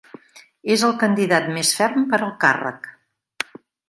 És el candidat més ferm per al càrrec.